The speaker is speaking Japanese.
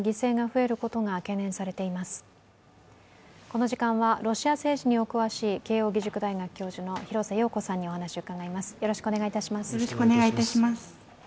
この時間はロシア政治にお詳しい慶応義塾大学教授の廣瀬陽子さんにお話を伺います。